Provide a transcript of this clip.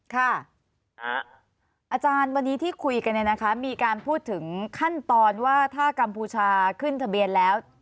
อาจารย์วันนี้ที่คุยกันเนี่ยนะคะมีการพูดถึงขั้นตอนว่าถ้ากัมพูชาขึ้นทะเบียนแล้ว